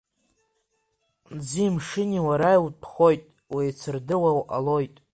Ӡи мшыни уара иутәхоит, уеицырдыруа уҟалоит.